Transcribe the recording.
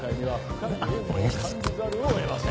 あっお願いします。